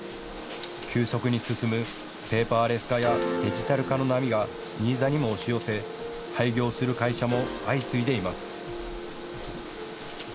急速に進むペーパーレス化やデジタル化の波が新座にも押し寄せ廃業する会社も相次いでいます。